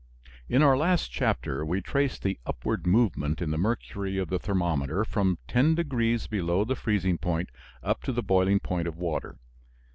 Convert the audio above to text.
In our last chapter we traced the upward movement in the mercury of the thermometer from 10 degrees below the freezing point up to the boiling point of water.